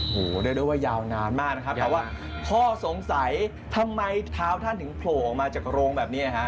เรียกได้ว่ายาวนานมากนะครับแต่ว่าข้อสงสัยทำไมเท้าท่านถึงโผล่ออกมาจากโรงแบบนี้ฮะ